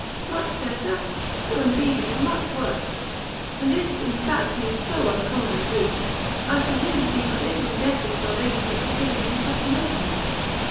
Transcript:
"Much better? No, indeed, it is much worse! and if, in fact, he is so uncommonly weak, I shall really be but little indebted to your ladyship for giving him such notions."